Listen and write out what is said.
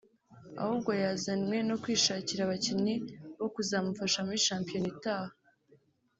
ahubwo yazanwe no kwishakira abakinnyi bo kuzamufasha muri shampiyona itaha